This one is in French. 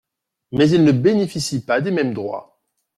Mais ils ne bénéficient pas des mêmes droits.